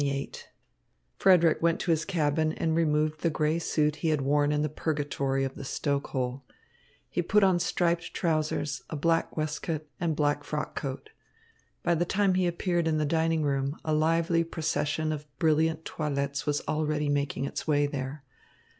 XXVIII Frederick went to his cabin and removed the grey suit he had worn in the purgatory of the stoke hole. He put on striped trousers, a black waistcoat, and black frock coat. By the time he appeared in the dining room, a lively procession of brilliant toilettes was already making its way there.